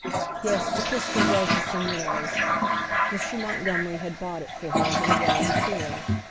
Yes, the pistol was the Señora's. Mr. Montgomery had bought it for her a little while before.